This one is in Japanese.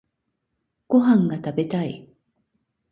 ご飯が食べたい